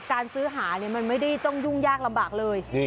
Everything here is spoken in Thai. การซื้อหามันไม่ได้ต้องยุ่งยากลำบากเลย